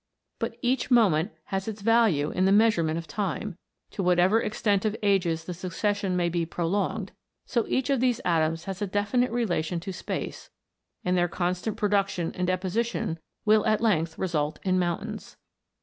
But each moment has its value in the measurement of time, to whatever extent of ages the succession may be prolonged; so each of these atoms has a definite relation to space, and their constant pro duction and deposition will at length result in mountains.